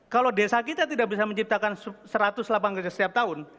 kalau desa kita tidak bisa menciptakan seratus lapangan kerja setiap tahun